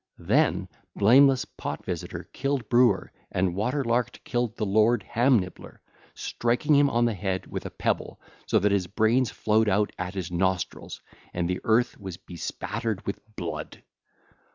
Then blameless Pot visitor killed Brewer and Water larked killed the lord Ham nibbler, striking him on the head with a pebble, so that his brains flowed out at his nostrils and the earth was bespattered with blood.